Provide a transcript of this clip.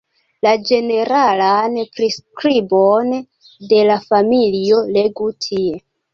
La ĝeneralan priskribon de la familio legu tie.